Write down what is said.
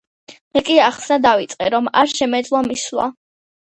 მე კი ახსნა დავიწყე, რომ არ შემეძლო მისვლა.